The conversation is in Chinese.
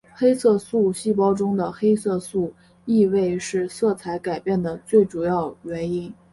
黑色素细胞中的黑色素易位是色彩改变的最主要原因。